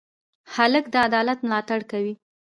هلک د عدالت ملاتړ کوي.